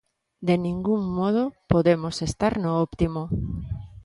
¡De ningún modo podemos estar no óptimo!